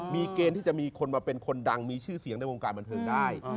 มีเกณฑ์ที่จะมีคนมาเป็นคนดังมีชื่อเสียงในวงการบันเทิงได้